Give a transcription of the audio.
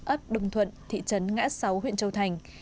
ấp đồng thuận thị trấn ngã sáu huyện châu thành